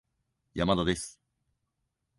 山田です